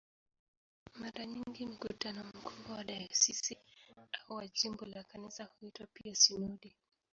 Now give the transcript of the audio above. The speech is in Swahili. Mara nyingi mkutano mkuu wa dayosisi au wa jimbo la Kanisa huitwa pia "sinodi".